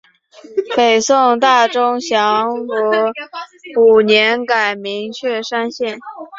北宋大中祥符五年改名确山县。